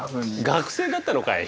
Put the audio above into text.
学生だったのかい。